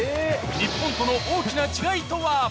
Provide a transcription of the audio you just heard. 日本との大きな違いとは？